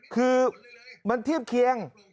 คือมันเทียบเคียง